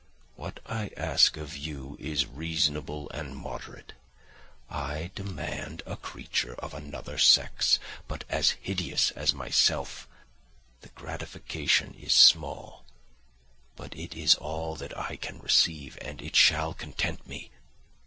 What I ask of you is reasonable and moderate; I demand a creature of another sex, but as hideous as myself; the gratification is small, but it is all that I can receive, and it shall content me.